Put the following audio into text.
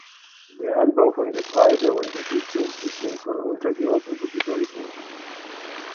Der Anbau von Getreide und die Viehzucht sind von untergeordneter Bedeutung.